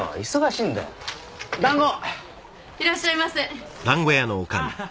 いらっしゃいませあぁ